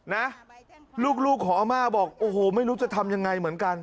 นะลูกของอาม่าบอกโอ้โหไม่รู้จะทำยังไงเหมือนกัน